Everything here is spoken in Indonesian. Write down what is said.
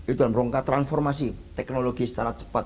itu dalam rangka transformasi teknologi secara cepat